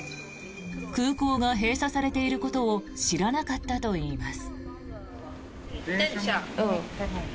空港が閉鎖されていることを知らなかったといいます。